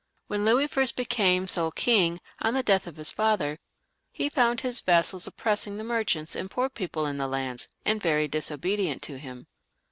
When Louis first became sole king, on the death of his father, he found his vassals oppressing the merchants and poor people in their lands, and quite disobedient to him.